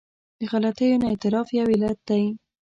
د غلطیو نه اعتراف یو علت دی.